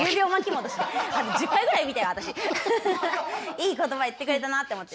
いい言葉言ってくれたなって思って。